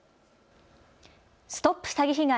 ＳＴＯＰ詐欺被害！